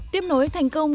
tiếp nối thành công